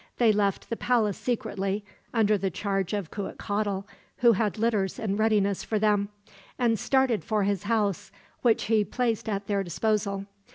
They left the palace secretly, under the charge of Cuitcatl, who had litters in readiness for them; and started for his house, which he placed at their disposal.